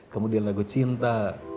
kemudian lagu cinta